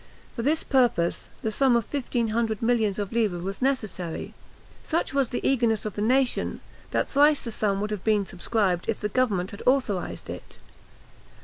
For this purpose, the sum of fifteen hundred millions of livres was necessary. Such was the eagerness of the nation, that thrice the sum would have been subscribed if the government had authorised it.